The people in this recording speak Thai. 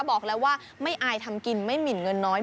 บอกแล้วว่าไม่อายทำกินไม่หมินเงินน้อย